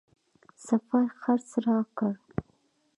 سفر خرڅ راکړ.